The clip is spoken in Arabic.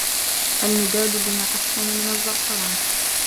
الْمِدَادُ بِنَا أَحْسَنُ مِنْ الزَّعْفَرَانِ